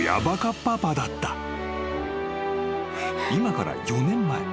［今から４年前］